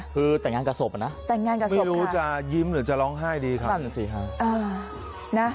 คือแต่งงานกับศพนะไม่รู้จะยิ้มหรือจะร้องไห้ดีค่ะ